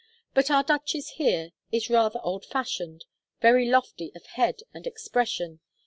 But our duchess here is rather old fashioned, very lofty of head and expression.